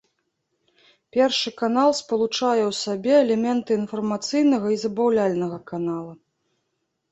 Першы канал спалучае ў сабе элементы інфармацыйнага і забаўляльнага канала.